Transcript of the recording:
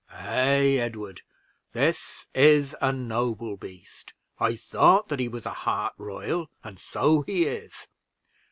Ay, Edward, this is a noble beast. I thought that he was a hart royal, and so he is."